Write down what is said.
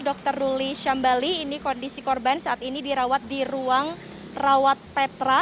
dr ruli syambali ini kondisi korban saat ini dirawat di ruang rawat petra